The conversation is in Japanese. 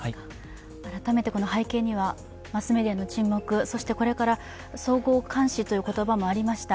改めて背景にはマスメディアの沈黙そしてこれから相互監視という言葉もありました。